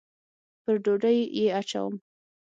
پر ډوډۍ یې اچوم